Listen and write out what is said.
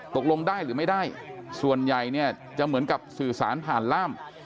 ตกลงได้หรือไม่ได้ส่วนใหญ่เนี่ยจะเหมือนกับสื่อสารผ่านล่าม